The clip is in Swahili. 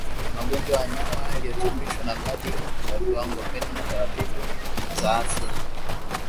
magonjwa ya wanyama uliochapishwa na Mradi wa Viwango Mbinu na Taratibu za Afya